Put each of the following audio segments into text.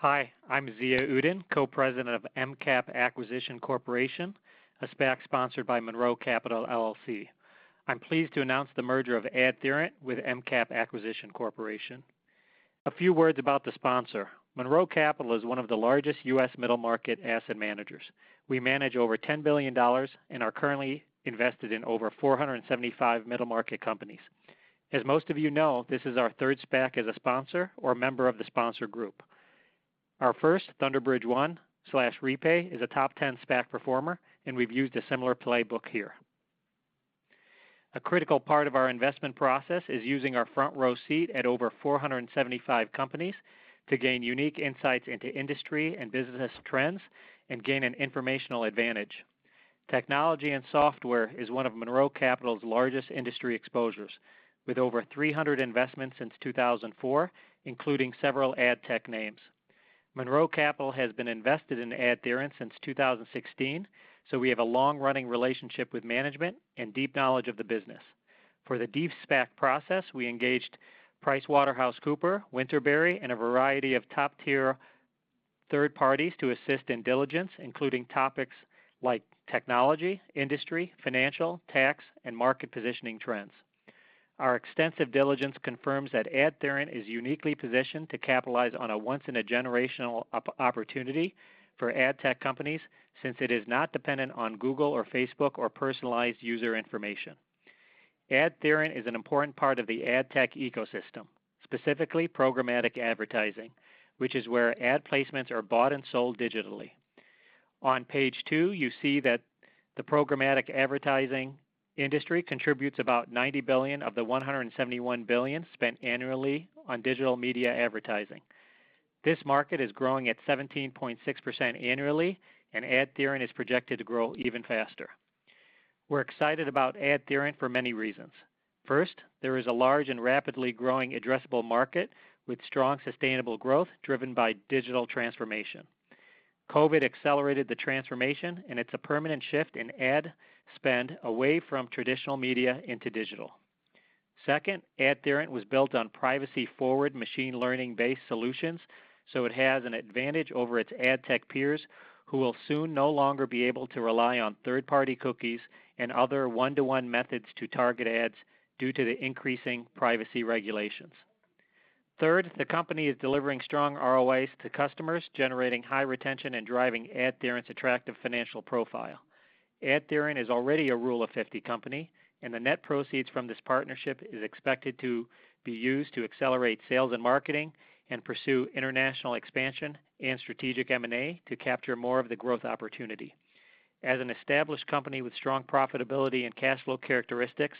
Hi, I'm Zia Uddin, Co-President of MCAP Acquisition Corporation, a SPAC sponsored by Monroe Capital LLC. I'm pleased to announce the merger of AdTheorent with MCAP Acquisition Corporation. A few words about the sponsor. Monroe Capital is one of the largest U.S. middle market asset managers. We manage over $10 billion and are currently invested in over 475 middle market companies. As most of you know, this is our third SPAC as a sponsor or member of the sponsor group. Our first, Thunder Bridge I/REPAY, is a top 10 SPAC performer, and we've used a similar playbook here. A critical part of our investment process is using our front row seat at over 475 companies to gain unique insights into industry and business trends and gain an informational advantage. Technology and software is one of Monroe Capital's largest industry exposures, with over 300 investments since 2004, including several ad tech names. Monroe Capital has been invested in AdTheorent since 2016, so we have a long running relationship with management and deep knowledge of the business. For the De-SPAC process, we engaged PricewaterhouseCoopers, Winterberry, and a variety of top-tier third parties to assist in diligence, including topics like technology, industry, financial, tax, and market positioning trends. Our extensive diligence confirms that AdTheorent is uniquely positioned to capitalize on a once in a generational opportunity for ad tech companies, since it is not dependent on Google or Facebook or personalized user information. AdTheorent is an important part of the ad tech ecosystem, specifically programmatic advertising, which is where ad placements are bought and sold digitally. On page two, you see that the programmatic advertising industry contributes about $90 billion of the $171 billion spent annually on digital media advertising. This market is growing at 17.6% annually. AdTheorent is projected to grow even faster. We're excited about AdTheorent for many reasons. First, there is a large and rapidly growing addressable market with strong, sustainable growth driven by digital transformation. COVID accelerated the transformation. It's a permanent shift in ad spend away from traditional media into digital. Second, AdTheorent was built on privacy-forward, machine learning-based solutions. It has an advantage over its ad tech peers, who will soon no longer be able to rely on third-party cookies and other one-to-one methods to target ads due to the increasing privacy regulations. Third, the company is delivering strong ROIs to customers, generating high retention and driving AdTheorent's attractive financial profile. AdTheorent is already a Rule of 50 company, and the net proceeds from this partnership is expected to be used to accelerate sales and marketing and pursue international expansion and strategic M&A to capture more of the growth opportunity. As an established company with strong profitability and cash flow characteristics,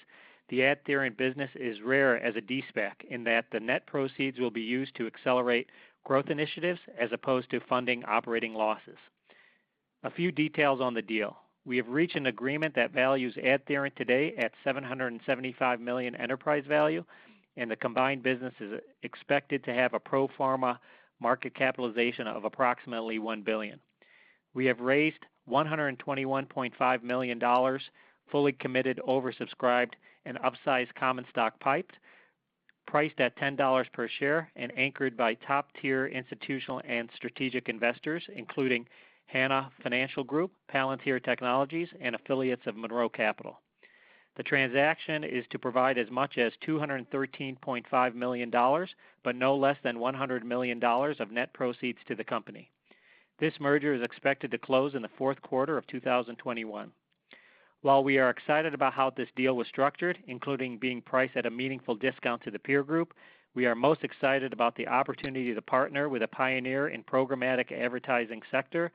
the AdTheorent business is rare as a De-SPAC in that the net proceeds will be used to accelerate growth initiatives as opposed to funding operating losses. A few details on the deal. We have reached an agreement that values AdTheorent today at $775 million enterprise value, and the combined business is expected to have a pro forma market capitalization of approximately $1 billion. We have raised $121.5 million, fully committed, oversubscribed, and upsized common stock PIPE, priced at $10 per share and anchored by top tier institutional and strategic investors, including Hana Financial Group, Palantir Technologies, and affiliates of Monroe Capital. The transaction is to provide as much as $213.5 million, but no less than $100 million of net proceeds to the company. This merger is expected to close in the Q4 of 2021. While we are excited about how this deal was structured, including being priced at a meaningful discount to the peer group, we are most excited about the opportunity to partner with a pioneer in programmatic advertising sector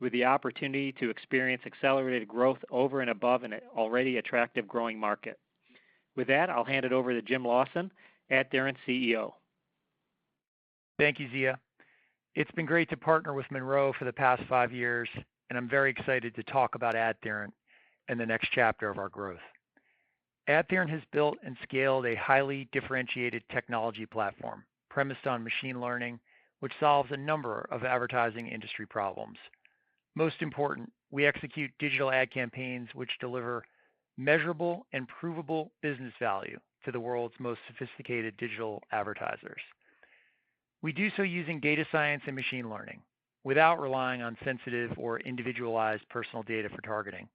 with the opportunity to experience accelerated growth over and above an already attractive growing market. With that, I'll hand it over to Jim Lawson, AdTheorent's CEO. Thank you, Zia. It's been great to partner with Monroe for the past five years, I'm very excited to talk about AdTheorent and the next chapter of our growth. AdTheorent has built and scaled a highly differentiated technology platform premised on machine learning, which solves a number of advertising industry problems. Most important, we execute digital ad campaigns which deliver measurable and provable business value to the world's most sophisticated digital advertisers. We do so using data science and machine learning without relying on sensitive or individualized personal data for targeting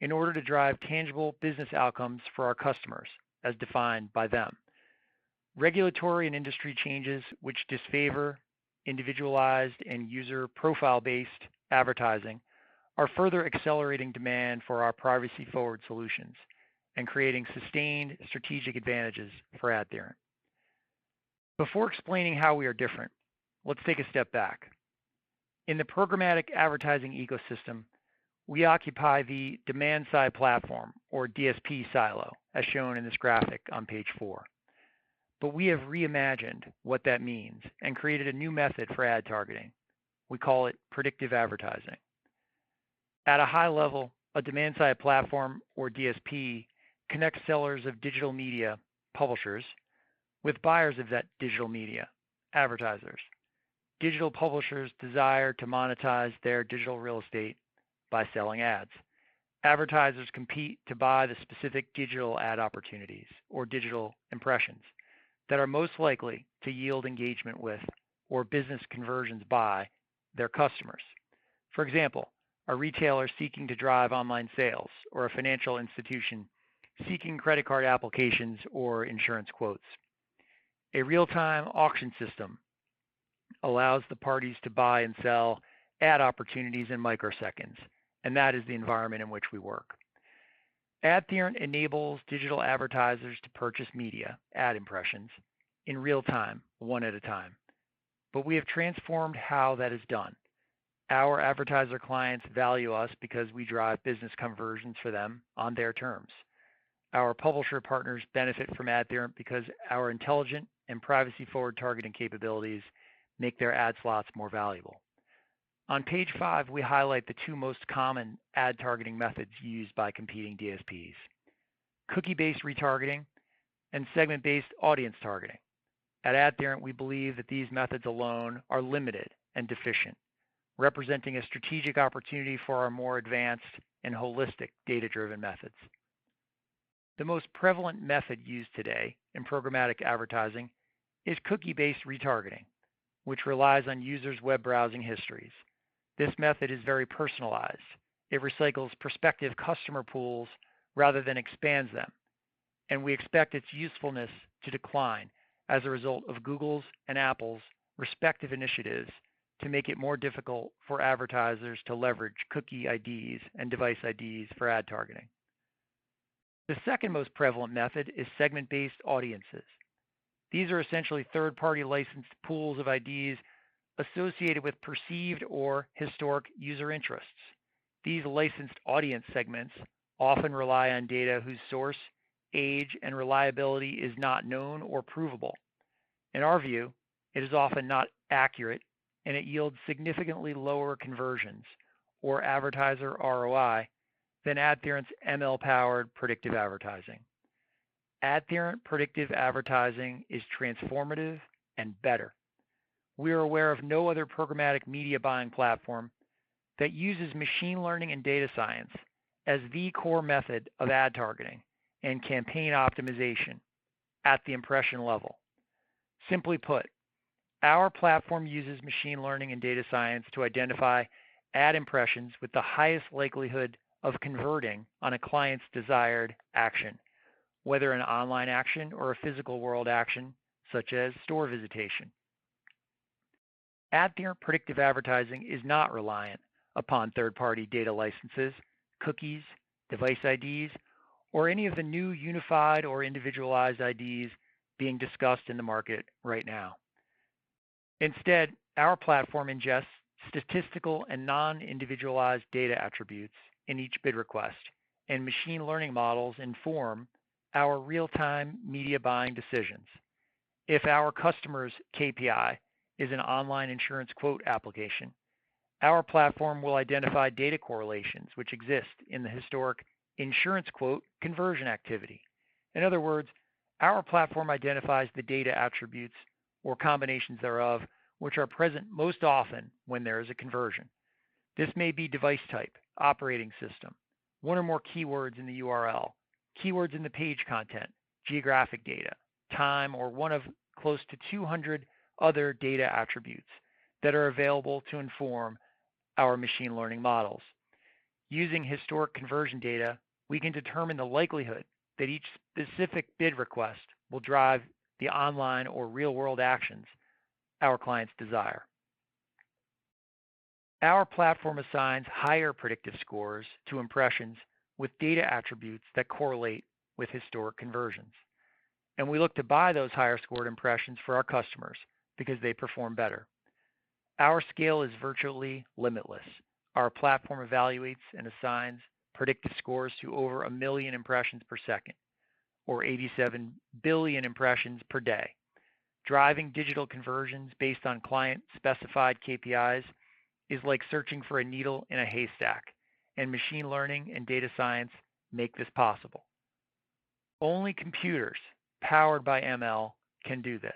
in order to drive tangible business outcomes for our customers as defined by them. Regulatory and industry changes which disfavor individualized and user profile-based advertising are further accelerating demand for our privacy forward solutions and creating sustained strategic advantages for AdTheorent. Before explaining how we are different, let's take a step back. In the programmatic advertising ecosystem, we occupy the demand side platform or DSP silo, as shown in this graphic on page four. We have reimagined what that means and created a new method for ad targeting. We call it predictive advertising. At a high level, a demand side platform or DSP connects sellers of digital media publishers with buyers of that digital media advertisers. Digital publishers desire to monetize their digital real estate by selling ads. Advertisers compete to buy the specific digital ad opportunities or digital impressions that are most likely to yield engagement with or business conversions by their customers. For example, a retailer seeking to drive online sales or a financial institution seeking credit card applications or insurance quotes. A real-time auction system allows the parties to buy and sell ad opportunities in microseconds, and that is the environment in which we work. AdTheorent enables digital advertisers to purchase media ad impressions in real time, one at a time. We have transformed how that is done. Our advertiser clients value us because we drive business conversions for them on their terms. Our publisher partners benefit from AdTheorent because our intelligent and privacy-forward targeting capabilities make their ad slots more valuable. On page five, we highlight the two most common ad targeting methods used by competing DSPs, cookie-based retargeting and segment-based audience targeting. At AdTheorent, we believe that these methods alone are limited and deficient, representing a strategic opportunity for our more advanced and holistic data-driven methods. The most prevalent method used today in programmatic advertising is cookie-based retargeting, which relies on users' web browsing histories. This method is very personalized. It recycles prospective customer pools rather than expands them, and we expect its usefulness to decline as a result of Google's and Apple's respective initiatives to make it more difficult for advertisers to leverage cookie IDs and device IDs for ad targeting. The second most prevalent method is segment-based audiences. These are essentially third-party licensed pools of IDs associated with perceived or historic user interests. These licensed audience segments often rely on data whose source, age, and reliability is not known or provable. In our view, it is often not accurate, and it yields significantly lower conversions or advertiser ROI than AdTheorent's ML-powered predictive advertising. AdTheorent predictive advertising is transformative and better. We are aware of no other programmatic media buying platform that uses machine learning and data science as the core method of ad targeting and campaign optimization at the impression level. Simply put, our platform uses machine learning and data science to identify ad impressions with the highest likelihood of converting on a client's desired action, whether an online action or a physical world action, such as store visitation. AdTheorent predictive advertising is not reliant upon third-party data licenses, cookies, device IDs, or any of the new unified or individualized IDs being discussed in the market right now. Instead, our platform ingests statistical and non-individualized data attributes in each bid request and machine learning models inform our real-time media buying decisions. If our customer's KPI is an online insurance quote application, our platform will identify data correlations which exist in the historic insurance quote conversion activity. In other words, our platform identifies the data attributes or combinations thereof, which are present most often when there is a conversion. This may be device type, operating system, one or more keywords in the URL, keywords in the page content, geographic data, time, or one of close to 200 other data attributes that are available to inform our machine learning models. Using historic conversion data, we can determine the likelihood that each specific bid request will drive the online or real-world actions our clients desire. Our platform assigns higher predictive scores to impressions with data attributes that correlate with historic conversions, and we look to buy those higher-scored impressions for our customers because they perform better. Our scale is virtually limitless. Our platform evaluates and assigns predictive scores to over 1 million impressions per second or 87 billion impressions per day. Driving digital conversions based on client-specified KPIs is like searching for a needle in a haystack, and machine learning and data science make this possible. Only computers powered by ML can do this.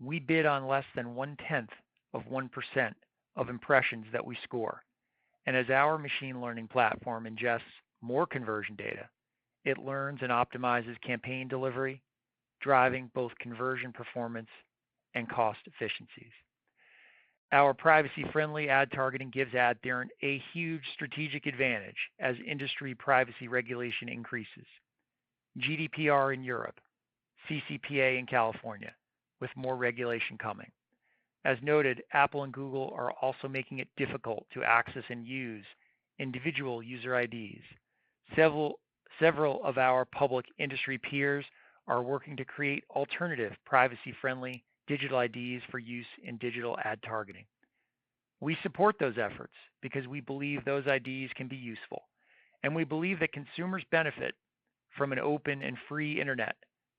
We bid on less than 1/10 of 1% of impressions that we score, and as our machine learning platform ingests more conversion data, it learns and optimizes campaign delivery, driving both conversion performance and cost efficiencies. Our privacy-friendly ad targeting gives AdTheorent a huge strategic advantage as industry privacy regulation increases. GDPR in Europe, CCPA in California, with more regulation coming. As noted, Apple and Google are also making it difficult to access and use individual user IDs. Several of our public industry peers are working to create alternative privacy-friendly digital IDs for use in digital ad targeting. We support those efforts because we believe those IDs can be useful, and we believe that consumers benefit from an open and free Internet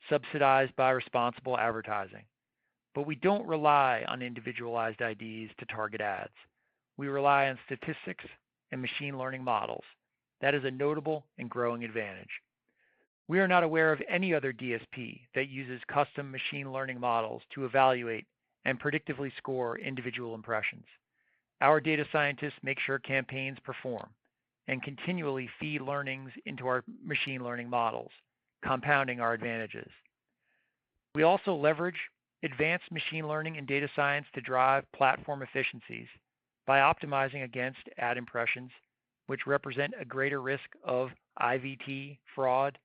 subsidized by responsible advertising. We don't rely on individualized IDs to target ads. We rely on statistics and machine learning models. That is a notable and growing advantage. We are not aware of any other DSP that uses custom machine learning models to evaluate and predictively score individual impressions. Our data scientists make sure campaigns perform and continually feed learnings into our machine learning models, compounding our advantages. We also leverage advanced machine learning and data science to drive platform efficiencies by optimizing against ad impressions, which represent a greater risk of IVT fraud,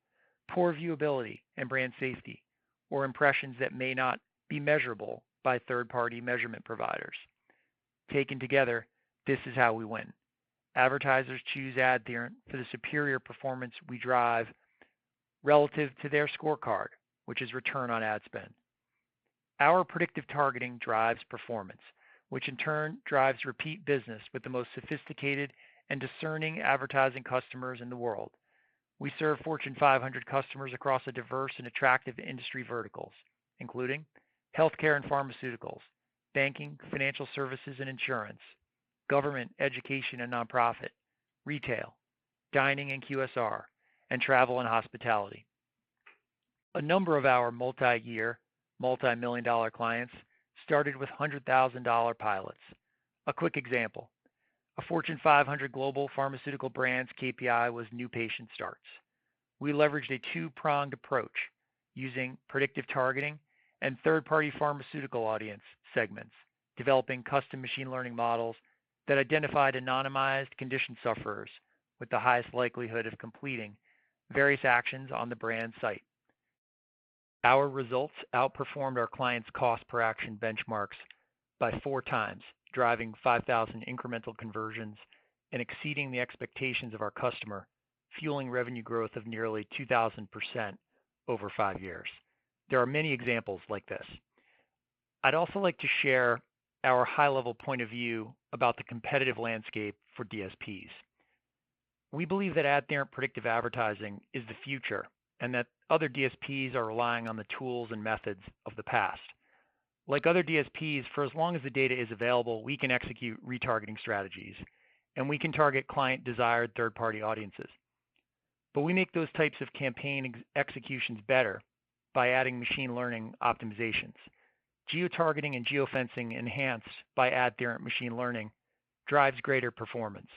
poor viewability, and brand safety, or impressions that may not be measurable by third-party measurement providers. Taken together, this is how we win. Advertisers choose AdTheorent for the superior performance we drive relative to their scorecard, which is return on ad spend. Our predictive targeting drives performance, which in turn drives repeat business with the most sophisticated and discerning advertising customers in the world. We serve Fortune 500 customers across diverse and attractive industry verticals, including healthcare and pharmaceuticals, banking, financial services and insurance, government, education and nonprofit, retail, dining and QSR, and travel and hospitality. A number of our multi-year, multi-million dollar clients started with $100,000 pilots. A quick example. A Fortune 500 global pharmaceutical brand's KPI was new patient starts. We leveraged a two-pronged approach using predictive targeting and third-party pharmaceutical audience segments, developing custom machine learning models that identified anonymized condition sufferers with the highest likelihood of completing various actions on the brand site. Our results outperformed our client's cost per action benchmarks by 4x, driving 5,000 incremental conversions and exceeding the expectations of our customer, fueling revenue growth of nearly 2,000% over five years. There are many examples like this. I'd also like to share our high-level point of view about the competitive landscape for DSPs. We believe that AdTheorent predictive advertising is the future, that other DSPs are relying on the tools and methods of the past. Like other DSPs, for as long as the data is available, we can execute retargeting strategies, we can target client-desired third-party audiences. We make those types of campaign executions better by adding machine learning optimizations. Geo-targeting and geo-fencing enhanced by AdTheorent machine learning drives greater performance.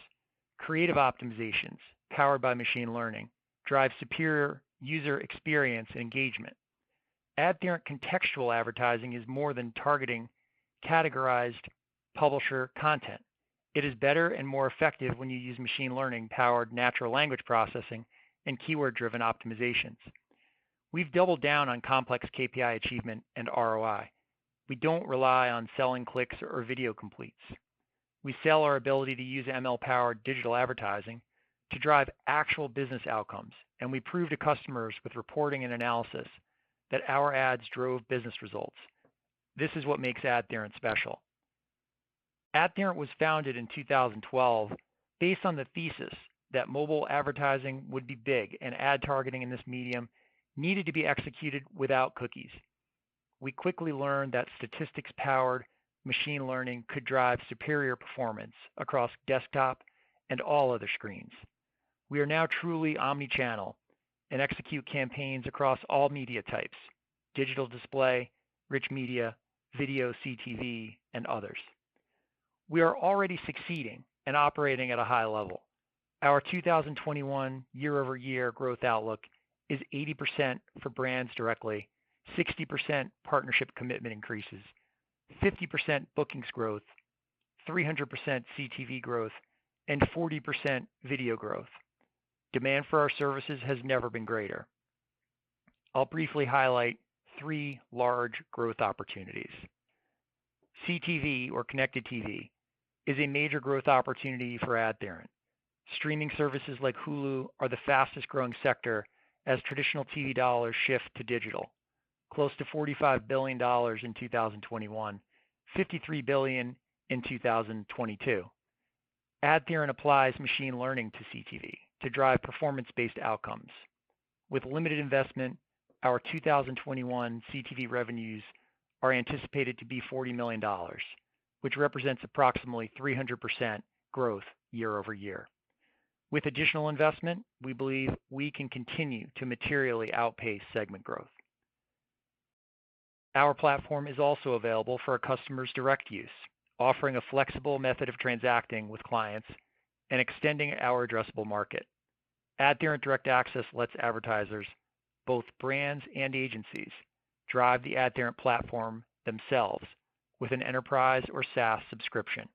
Creative optimizations powered by machine learning drive superior user experience and engagement. AdTheorent contextual advertising is more than targeting categorized publisher content. It is better and more effective when you use machine learning-powered natural language processing and keyword-driven optimizations. We've doubled down on complex KPI achievement and ROI. We don't rely on selling clicks or video completes. We sell our ability to use ML-powered digital advertising to drive actual business outcomes, and we prove to customers with reporting and analysis that our ads drove business results. This is what makes AdTheorent special. AdTheorent was founded in 2012 based on the thesis that mobile advertising would be big, and ad targeting in this medium needed to be executed without cookies. We quickly learned that statistics-powered machine learning could drive superior performance across desktop and all other screens. We are now truly omni-channel and execute campaigns across all media types, digital display, rich media, video, CTV, and others. We are already succeeding and operating at a high level. Our 2021 year-over-year growth outlook is 80% for brands directly, 60% partnership commitment increases, 50% bookings growth, 300% CTV growth, and 40% video growth. Demand for our services has never been greater. I'll briefly highlight three large growth opportunities. CTV, or connected TV, is a major growth opportunity for AdTheorent. Streaming services like Hulu are the fastest-growing sector as traditional TV dollars shift to digital. Close to $45 billion in 2021, $53 billion in 2022. AdTheorent applies machine learning to CTV to drive performance-based outcomes. With limited investment, our 2021 CTV revenues are anticipated to be $40 million, which represents approximately 300% growth year-over-year. With additional investment, we believe we can continue to materially outpace segment growth. Our platform is also available for a customer's direct use, offering a flexible method of transacting with clients and extending our addressable market. AdTheorent Direct Access lets advertisers, both brands and agencies, drive the AdTheorent platform themselves with an enterprise or SaaS subscription,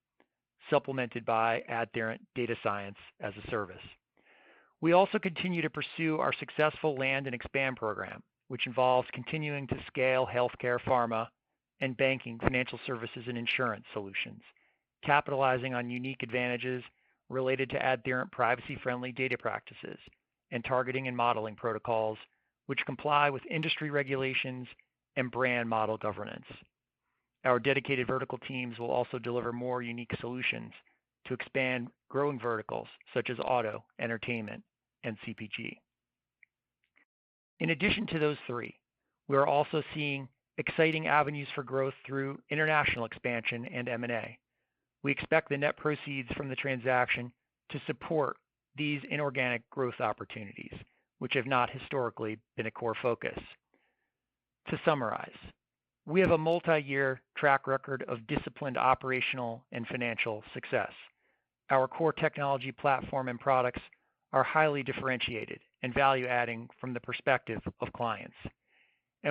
supplemented by AdTheorent data science as a service. We also continue to pursue our successful land and expand program, which involves continuing to scale healthcare, pharma, and banking, financial services, and insurance solutions, capitalizing on unique advantages related to AdTheorent privacy-friendly data practices and targeting and modeling protocols, which comply with industry regulations and brand model governance. Our dedicated vertical teams will also deliver more unique solutions to expand growing verticals such as auto, entertainment, and CPG. In addition to those three, we are also seeing exciting avenues for growth through international expansion and M&A. We expect the net proceeds from the transaction to support these inorganic growth opportunities, which have not historically been a core focus. To summarize, we have a multi-year track record of disciplined operational and financial success. Our core technology platform and products are highly differentiated and value-adding from the perspective of clients.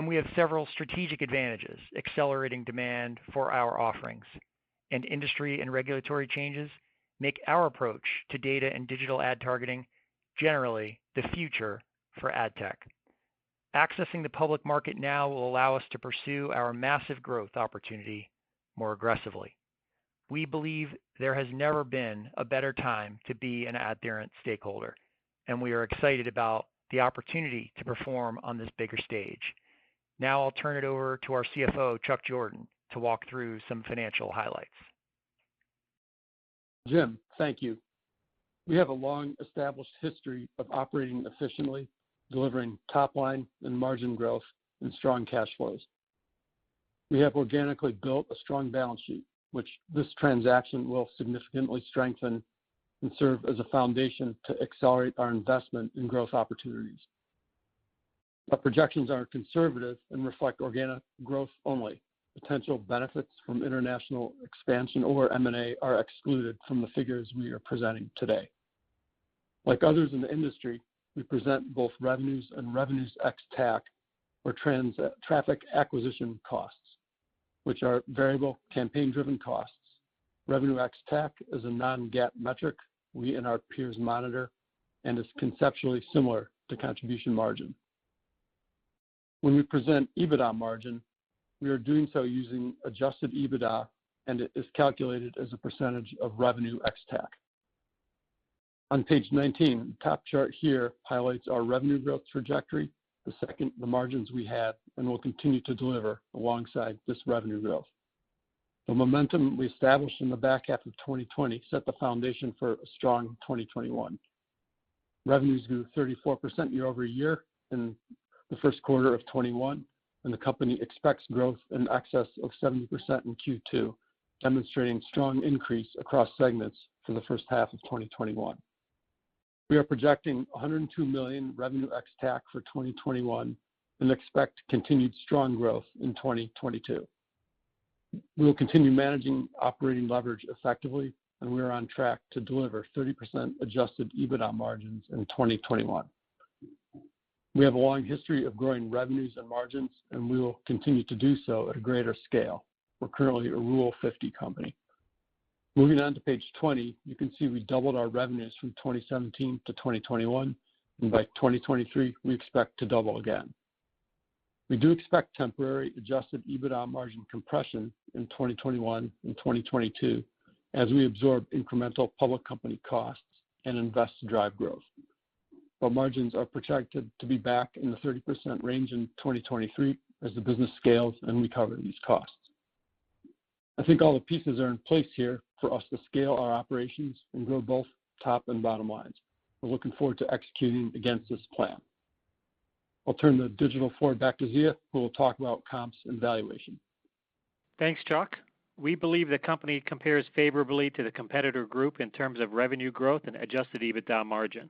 We have several strategic advantages accelerating demand for our offerings. Industry and regulatory changes make our approach to data and digital ad targeting generally the future for ad tech. Accessing the public market now will allow us to pursue our massive growth opportunity more aggressively. We believe there has never been a better time to be an AdTheorent stakeholder, and we are excited about the opportunity to perform on this bigger stage. Now I'll turn it over to our CFO, Chuck Jordan, to walk through some financial highlights. Jim, thank you. We have a long-established history of operating efficiently, delivering top-line and margin growth, and strong cash flows. We have organically built a strong balance sheet, which this transaction will significantly strengthen and serve as a foundation to accelerate our investment in growth opportunities. Our projections are conservative and reflect organic growth only. Potential benefits from international expansion or M&A are excluded from the figures we are presenting today. Like others in the industry, we present both revenues and revenues ex TAC, or traffic acquisition costs, which are variable campaign-driven costs. Revenue ex TAC is a non-GAAP metric we and our peers monitor and is conceptually similar to contribution margin. When we present EBITDA margin, we are doing so using adjusted EBITDA, and it is calculated as a percentage of revenue ex TAC. On page 19, the top chart here highlights our revenue growth trajectory, the second, the margins we had and will continue to deliver alongside this revenue growth. The momentum we established in the back half of 2020 set the foundation for a strong 2021. Revenues grew 34% year-over-year in the Q1 of 2021, and the company expects growth in excess of 70% in Q2, demonstrating strong increase across segments for the H1 of 2021. We are projecting $102 million revenue ex TAC for 2021 and expect continued strong growth in 2022. We will continue managing operating leverage effectively, and we are on track to deliver 30% adjusted EBITDA margins in 2021. We have a long history of growing revenues and margins, and we will continue to do so at a greater scale. We're currently a Rule 50 company. Moving on to page 20, you can see we doubled our revenues from 2017 to 2021, and by 2023, we expect to double again. We do expect temporary adjusted EBITDA margin compression in 2021 and 2022 as we absorb incremental public company costs and invest to drive growth. Margins are projected to be back in the 30% range in 2023 as the business scales and recover these costs. I think all the pieces are in place here for us to scale our operations and grow both top and bottom lines. We're looking forward to executing against this plan. I'll turn the digital floor back to Zia, who will talk about comps and valuation. Thanks, Chuck. We believe the company compares favorably to the competitor group in terms of revenue growth and adjusted EBITDA margin.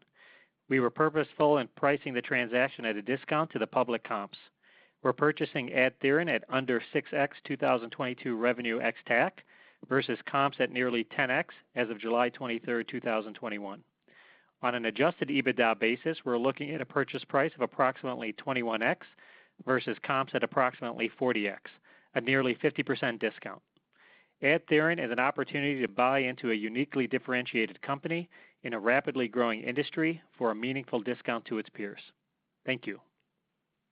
We were purposeful in pricing the transaction at a discount to the public comps. We're purchasing AdTheorent at under 6x 2022 revenue ex TAC versus comps at nearly 10x as of July 23, 2021. On an adjusted EBITDA basis, we're looking at a purchase price of approximately 21x versus comps at approximately 40x, a nearly 50% discount. AdTheorent is an opportunity to buy into a uniquely differentiated company in a rapidly growing industry for a meaningful discount to its peers. Thank you.